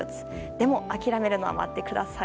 でも、諦めるのは待ってください。